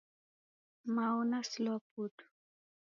Mao nasilwa putu.